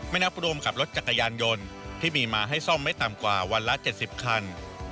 นับรวมกับรถจักรยานยนต์ที่มีมาให้ซ่อมไม่ต่ำกว่าวันละ๗๐คัน